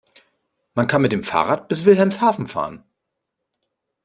Man kann mit dem Fahrrad bis Wilhelmshaven fahren